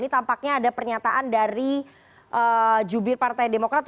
ini tampaknya ada pernyataan dari jubir partai demokrat